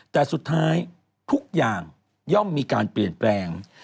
แต่สุดท้ายทุกอย่างย่อมมีการเปลี่ยนแปลง